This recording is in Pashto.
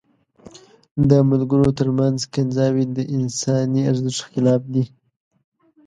د ملګرو تر منځ کنځاوي د انساني ارزښت خلاف دي.